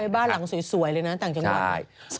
บ้านหลังสวยเลยนะต่างจังหวัด